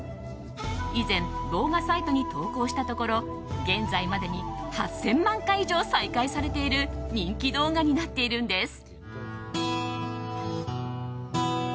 以前、動画サイトに投稿したところ現在までに８０００万回以上再生されている人気動画になっているんです。